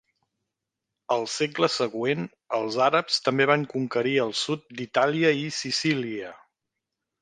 El segle següent, els àrabs també van conquerir el sud d'Itàlia i Sicília.